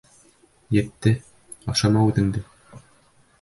Етте, ашама үҙеңде.